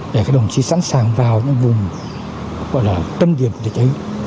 để các đồng chí sẵn sàng vào những vùng gọi là tâm điểm của địch ấy